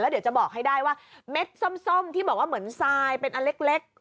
เดี๋ยวจะบอกให้ได้ว่าเม็ดส้มที่บอกว่าเหมือนทรายเป็นอันเล็ก